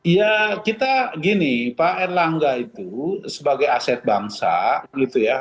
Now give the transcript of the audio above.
ya kita gini pak erlangga itu sebagai aset bangsa gitu ya